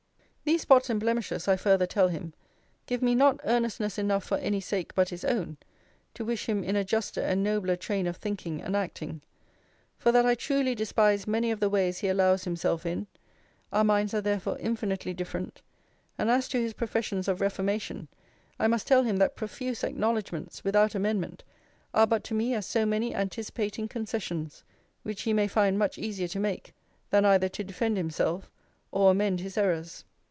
'These spots and blemishes, I further tell him, give me not earnestness enough for any sake but his own, to wish him in a juster and nobler train of thinking and acting; for that I truly despised many of the ways he allows himself in: our minds are therefore infinitely different: and as to his professions of reformation, I must tell him, that profuse acknowledgements, without amendment, are but to me as so many anticipating concessions, which he may find much easier to make, thane either to defend himself, or amend his errors.